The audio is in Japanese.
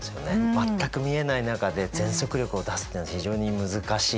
全く見えない中で全速力を出すっていうのは非常に難しい。